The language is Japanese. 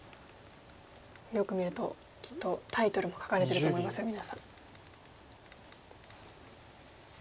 よく見るときっとタイトルも書かれてると思いますよ皆さん。